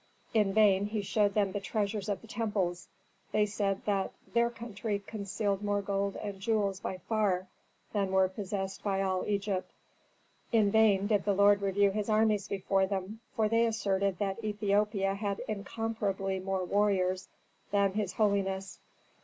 In vain he showed them the treasures of the temples; they said that their country concealed more gold and jewels by far than were possessed by all Egypt. In vain did the lord review his armies before them, for they asserted that Ethiopia had incomparably more warriors than his holiness.